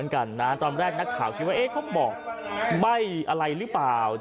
อืมที่นี่ดีไหมที่นี่ดีไหม